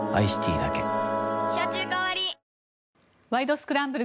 スクランブル」